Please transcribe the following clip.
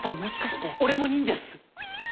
俺も忍者っす。